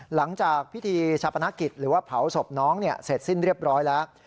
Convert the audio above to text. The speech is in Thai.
หลังจากพิธีชาปนกิจหรือว่าเผาศพน้องเสร็จสิ้นเรียบร้อยแล้ว